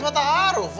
cuma taruh beda tuh